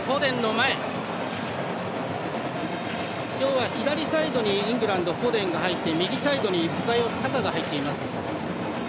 今日は左サイドにイングランドフォデンが入って、右サイドにサカが入っています。